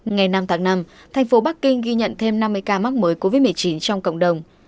ngày năm tháng năm thành phố bắc kinh ghi nhận thêm năm mươi ca mắc mới covid một mươi chín trong cộng đồng